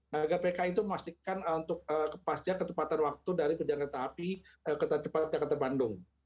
nah gpk itu memastikan untuk kepastian ketepatan waktu dari perjalanan kereta api kereta cepat jakarta bandung